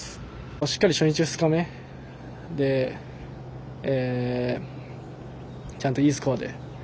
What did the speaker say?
しっかり初日、２日目でちゃんと、いいスコアで。